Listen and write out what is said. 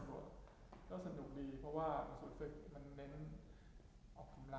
และหลายปีแล้ว